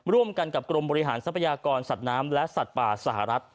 ร่วมกันกับกรมบริหารทรัพยากรสัตว์น้ำและสัตว์ป่าสหรัฐ